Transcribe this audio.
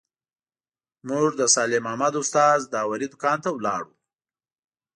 موږ د صالح محمد استاد داوري دوکان ته ولاړو.